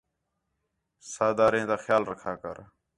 ساداریں تا خیال رکھا کر